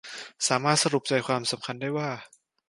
สามารถสรุปใจความสำคัญได้ว่า